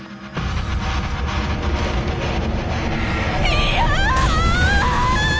いや！